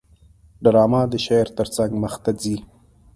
ډرامه د شعر ترڅنګ مخته ځي